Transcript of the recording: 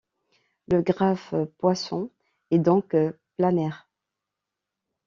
Le graphe poisson est donc planaire.